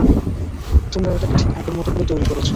তোমারা এটাকে ঠিক আগের মতো করে তৈরি করেছ।